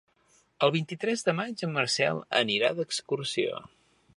El vint-i-tres de maig en Marcel anirà d'excursió.